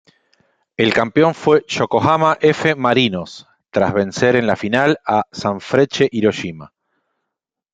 El campeón fue Yokohama F. Marinos, tras vencer en la final a Sanfrecce Hiroshima.